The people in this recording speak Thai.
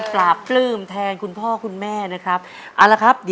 ขอบคุณครับ